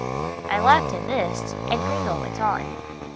I laughed at this, and Gringo went on.